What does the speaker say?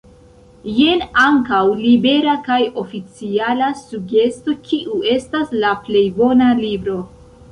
Jen ankaŭ libera kaj oficiala sugesto kiu estas “la plej bona libro”.